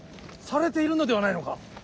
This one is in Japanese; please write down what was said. されているのではないのか。